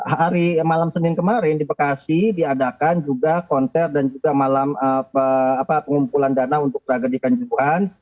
hari malam senin kemarin di bekasi diadakan juga konser dan juga malam pengumpulan dana untuk tragedi kanjuruhan